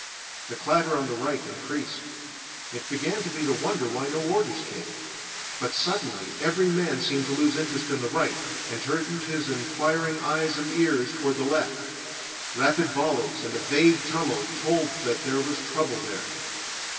The clatter on the right increased. It began to be the wonder why no orders came. But suddenly every man seemed to lose interest in the right, and turned his inquiring eyes and ears toward the left. Rapid volleys and a vague tumult told that there was trouble there.